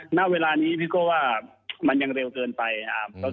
ณเวลานี้พี่โก้ว่ามันยังเร็วเกินไปนะครับ